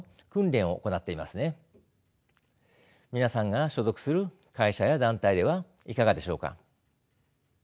皆さんが所属する会社や団体ではいかがでしょうか。